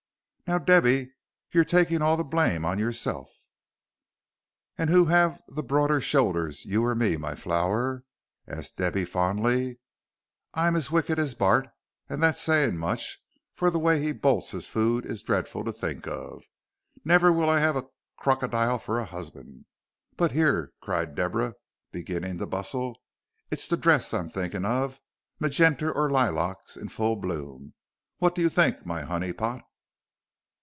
"Now, Debby, you're taking all the blame on yourself!" "And who have the broader shoulders, you or me, my flower?" asked Debby, fondly. "I'm as wicked as Bart, and that's saying much, for the way he bolts his food is dreadful to think of. Never will I have a corkidile for a husband. But here," cried Deborah, beginning to bustle, "it's the dress I'm thinking of. Magenter or lilacs in full boom. What do you think, my honey pot?"